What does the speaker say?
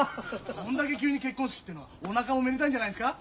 こんだけ急に結婚式ってのはおなかもめでたいんじゃないですか？